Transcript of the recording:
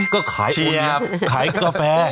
ก็ขายอันนี้ขายกาแฟ